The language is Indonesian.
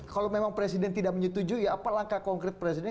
kalau memang presiden tidak menyetujui apa langkah konkret presiden